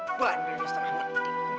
bahkan dari setelah mahmud